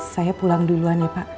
saya pulang duluan ya pak